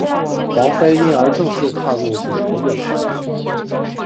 黄妃因而正式踏入主流乐坛。